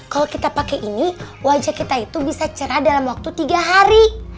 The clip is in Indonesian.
kalau kita pakai ini wajah kita itu bisa cerah dalam waktu tiga hari